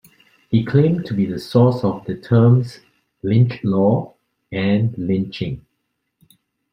He claimed to be the source of the terms "lynch law" and "lynching.